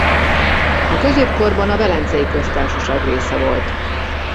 A középkorban a Velencei Köztársaság része volt.